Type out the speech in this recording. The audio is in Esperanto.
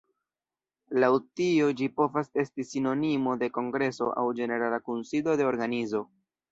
Laŭ tio ĝi povas esti sinonimo de kongreso aŭ ĝenerala kunsido de organizo.